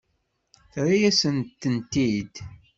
Terra-yasent-t-id.